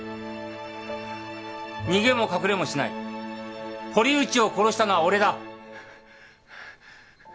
逃げも隠れもしない堀内を殺したのは俺だ